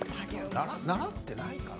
習っていないかな。